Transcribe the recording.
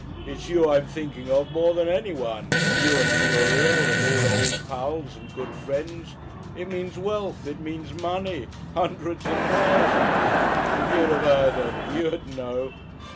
It's you I'm thinking of more than anyone, you and Muriel, and all Old Pals and Good Friends. It means wealth, it means money hundreds and thousands.... If you'd heard 'em, you'd know."